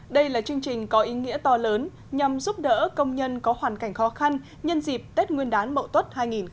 đây là chương trình có ý nghĩa to lớn nhằm giúp đỡ công nhân có hoàn cảnh khó khăn nhân dịp tết nguyên đán mậu tuất hai nghìn hai mươi